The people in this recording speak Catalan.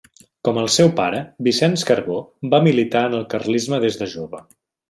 Com el seu pare, Vicenç Carbó va militar en el carlisme des de jove.